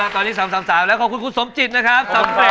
ตอนนี้๓๓แล้วขอบคุณคุณสมจิตนะครับ